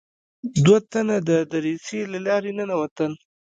دوه تنه د دريڅې له لارې ننوتل.